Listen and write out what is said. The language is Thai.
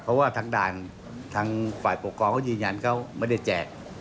เพราะว่าทางด่านทางฝ่ายปกครองเขายืนยันเขาไม่ได้แจก